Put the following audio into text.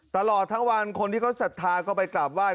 ตลอดทั้งวันคนที่เขาสัดทานเข้าไปกลับไหว้